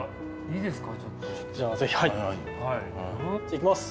いきます！